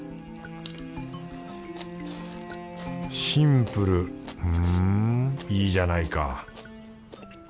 シンプルふんいいじゃないか